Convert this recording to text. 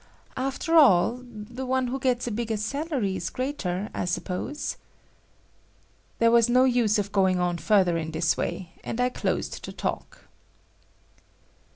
"After all, the one who gets a bigger salary is greater, I suppose?" There was no use of going on further in this way, and I closed the talk.